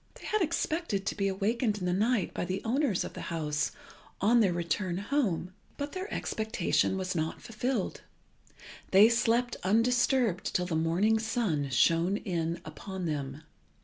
They had expected to be awakened in the night by the owners of the house on their return home, but their expectation was not fulfilled. They slept undisturbed till the morning sun shone in upon them.